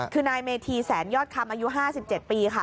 คือนายเมธีแสนยอดคำอายุ๕๗ปีค่ะ